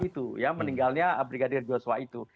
itu ya meninggalnya brigadir joshua itu